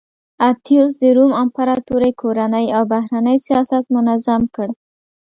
اتیوس د روم امپراتورۍ کورنی او بهرنی سیاست منظم کړ